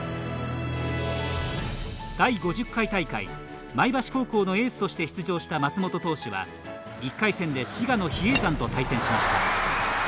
第５０回大会前橋高校のエースとして出場した松本投手は、１回戦で滋賀の比叡山と対戦しました。